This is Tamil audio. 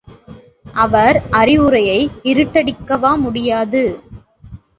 அவர் அறிவுரையை இருட்டடிக்கவா முடியாது?